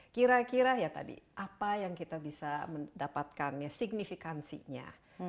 kira kira ya tadi apa yang kita bisa mendapatkan ya signifikansinya